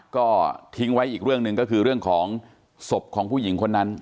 ก็ทิ้งไว้อีกเรื่องหนึ่งก็คือเรื่องของศพของผู้หญิงคนนั้น